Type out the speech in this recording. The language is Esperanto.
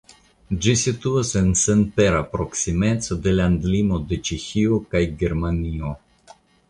Ĝi situas en senpera proksimeco de landlimo de Ĉeĥio kaj Germanio.